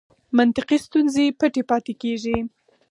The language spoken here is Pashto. منطقي ستونزې پټې پاتې کېږي.